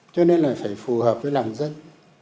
cho nên là phải phù hợp với lòng dân